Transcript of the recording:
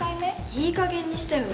いいかげんにしてよね。